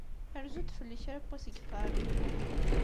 Rzu-d fell-i kra n wass deg Paris.